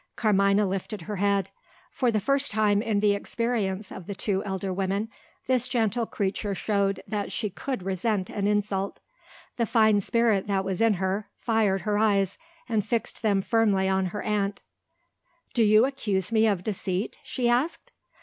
Carmina lifted her head. For the first time in the experience of the two elder women, this gentle creature showed that she could resent an insult. The fine spirit that was in her fired her eyes, and fixed them firmly on her aunt. "Do you accuse me of deceit?" she asked.